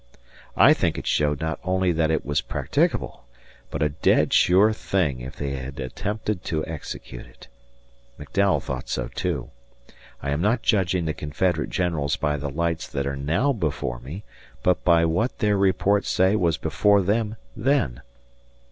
I think it showed not only that it was practicable, but a dead sure thing if they had attempted to execute it. McDowell thought so too. I am not judging the Confederate generals by the lights that are now before me but by what their reports say was before them then.